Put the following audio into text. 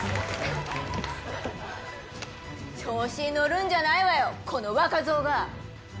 調子に乗るんじゃないわよ、この若造が！